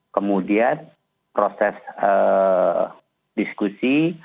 kemudian proses diskusi